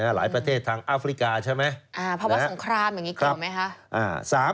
หลายประเทศทางอัฟริกาใช่ไหมภาวะสงครามอย่างนี้เกี่ยวไหมคะ